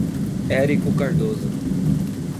Érico Cardoso